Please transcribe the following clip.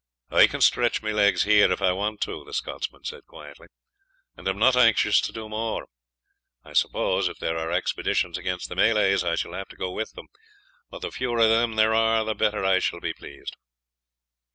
"I can stretch my legs here if I want to," the Scotchman said quietly, "and am not anxious to do more. I suppose, if there are expeditions against the Malays, I shall have to go with them; but the fewer of them there are the better I shall be pleased."